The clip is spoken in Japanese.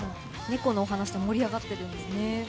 猫の話で盛り上がってるんですね。